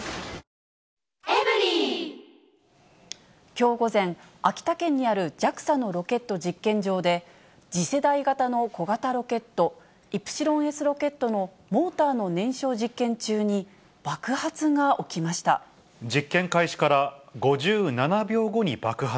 きょう午前、秋田県にあるＪＡＸＡのロケット実験場で、次世代型の小型ロケット、イプシロンＳロケットのモーターの燃焼実験中に、爆発が起きまし実験開始から５７秒後に爆発。